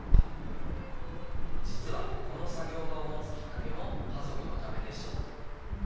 実はこの作業場を持つきっかけも家族のためでした